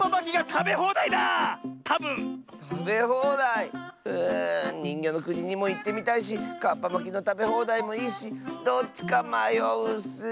たべほうだい⁉ううにんぎょのくににもいってみたいしカッパまきのたべほうだいもいいしどっちかまようッスー。